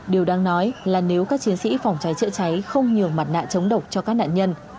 điều đang nói là nếu các chiến sĩ phòng cháy chữa cháy không nhường mặt nạ chống độc cho các nạn nhân